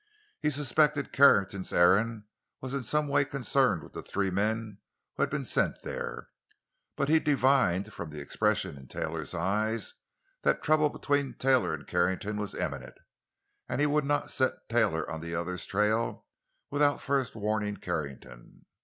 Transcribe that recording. He suspected Carrington's errand was in some way concerned with the three men who had been sent there. But he divined from the expression in Taylor's eyes that trouble between Taylor and Carrington was imminent, and he would not set Taylor on the other's trail without first warning Carrington.